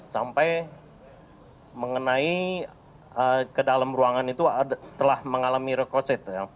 sampai mengenai ke dalam ruangan itu telah mengalami rekoset